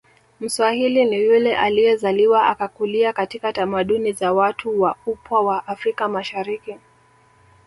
Mswahili ni yule aliyezaliwa akakulia katika tamaduni za watu wa upwa wa afrika mashariki